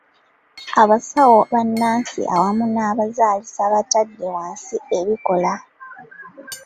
Abasawo bannansi awamu n'abazaalisa batadde wansi ebikola.